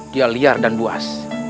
dia liar dan buas